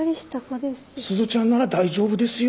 すずちゃんなら大丈夫ですよ。